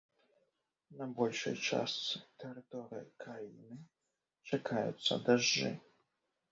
На большай частцы тэрыторыі краіны чакаюцца дажджы.